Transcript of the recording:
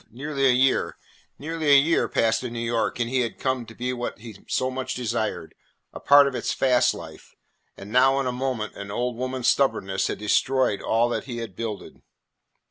Nearly a year. Nearly a year passed in New York, and he had come to be what he so much desired, a part of its fast life, and now in a moment an old woman's stubbornness had destroyed all that he had builded.